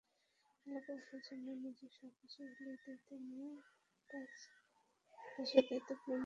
এলাকাবাসীর জন্য নিজের সবকিছু বিলিয়ে দিয়ে তিনি পাঁচ বছর দায়িত্ব পালন করেছেন।